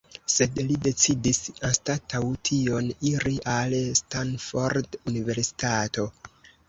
Sed li decidis anstataŭ tion iri al Stanford Universitato.